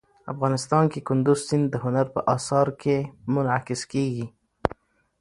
افغانستان کې کندز سیند د هنر په اثار کې منعکس کېږي.